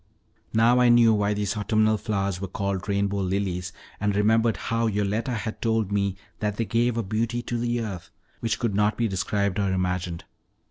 Now I knew why these autumnal flowers were called rainbow lilies, and remembered how Yoletta had told me that they gave a beauty to the earth which could not be described or imagined.